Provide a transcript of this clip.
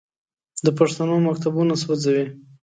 د پښتنو مکتبونه سوځوي.